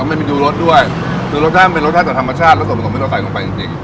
มันไม่มีชูรสด้วยชูรสชาติมันเป็นรสชาติแต่ธรรมชาติรสชาติมันก็ไม่รสชาติลงไปจริงจริง